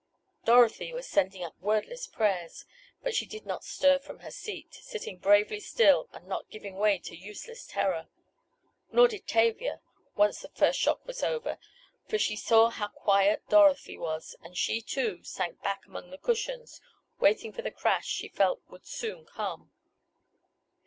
Dorothy was sending up wordless prayers, but she did not stir from her seat, sitting bravely still, and not giving way to useless terror. Nor did Tavia, once the first shock was over, for she saw how quiet Dorothy was, and she too, sank back among the cushions, waiting for the crash she felt would soon come.